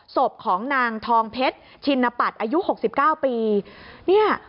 ศพของนางทองเพชรชินปัตย์อายุ๖๙ปี